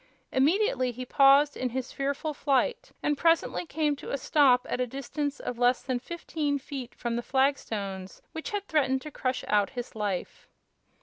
Immediately he paused in his fearful flight and presently came to a stop at a distance of less than fifteen feet from the flagstones which had threatened to crush out his life.